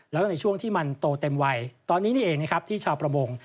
แล้วก็ในช่วงที่มันโตเต็มวัยตอนนี้นี่เองนะครับที่ชาวประมง